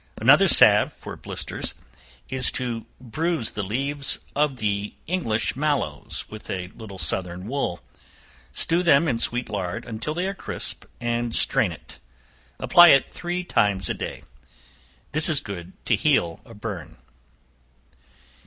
Another salve for blisters is to bruise the leaves of the English mallows with a little southern wood; stew them in sweet lard until they are crisp, and strain it; apply it three times a day. This is good to heal a burn.